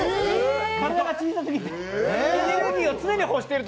体が小さすぎる。